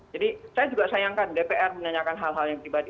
jadi saya juga sayangkan dpr menanyakan hal hal yang pribadi